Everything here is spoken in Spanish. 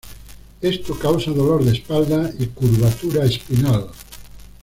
Esto causa dolor de espalda y curvatura espinal.